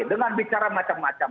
dengan bicara macam macam